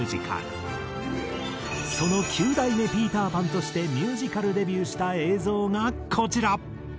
その９代目ピーター・パンとしてミュージカルデビューした映像がこちら。